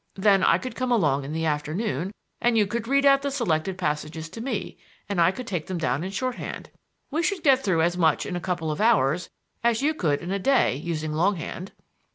Then I could come along in the afternoon and you could read out the selected passages to me, and I could take them down in shorthand. We should get through as much in a couple of hours as you could in a day using long hand."